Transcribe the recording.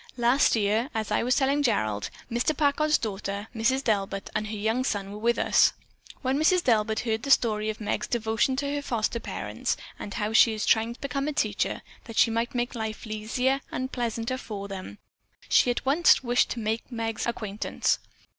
Last year, as I was telling Gerald, Mr. Packard's daughter, Mrs. Delbert, and her young son were with us. When Mrs. Delbert heard the story of Meg's devotion to her foster parents and how she is trying to become a teacher that she might make life easier and pleasanter for them, she at once wished to make Meg's acquaintance.